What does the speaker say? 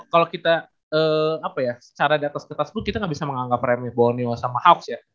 kalau kita apa ya secara di atas kertas dulu kita gak bisa menganggap remeh boneo sama hawks ya